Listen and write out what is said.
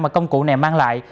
mà công cụ này mang lại